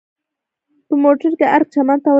په موټر کې ارګ چمن ته ولاړو.